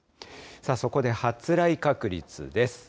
そこで発雷確率です。